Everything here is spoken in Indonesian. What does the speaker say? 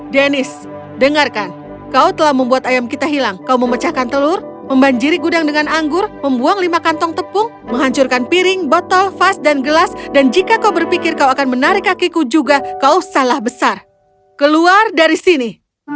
dennis dengarkan kau telah membuat ayam kita hilang kau memecahkan telur membanjiri gudang dengan anggur membuang lima kantong tepung menghancurkan piring botol vas dan gelas dan jika kau berpikir kau akan menarik kakiku juga kau salah besar keluar dari sini